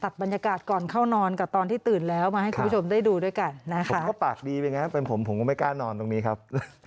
พอเข้าไปดูข้างในมีแต่โรงศพ